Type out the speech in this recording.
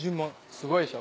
すごいでしょ。